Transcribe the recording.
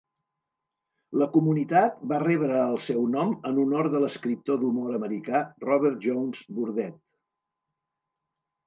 La comunitat va rebre el seu nom en honor de l'escriptor d'humor americà Robert Jones Burdette.